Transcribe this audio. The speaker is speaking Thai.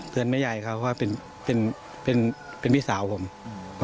เตือนแม่ยายกันไปบอกว่าเป็นพี่สาวมัน